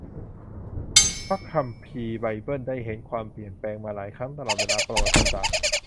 พระคัมภีร์ไบเบิลได้เห็นความเปลี่ยนแปลงมาหลายครั้งตลอดเวลาประวัติศาสตร์